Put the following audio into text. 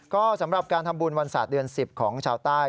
ก็สำหรับการทำบุญวันศาสตร์เดือน๑๐ของชาวใต้